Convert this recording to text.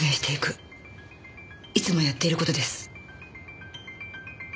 いつもやっている事です。